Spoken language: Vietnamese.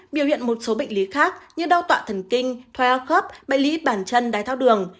biểu hiện một số bệnh lý khác như đau tọa thần kinh thoai hoa khớp bệnh lý bản chân đai tháo đường